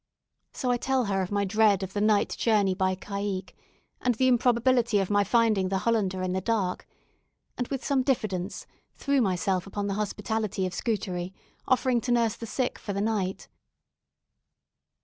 So I tell her of my dread of the night journey by caicque, and the improbability of my finding the "Hollander" in the dark; and, with some diffidence, threw myself upon the hospitality of Scutari, offering to nurse the sick for the night.